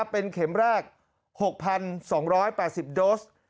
เป็นเข็มแรก๖๒๘๐โดส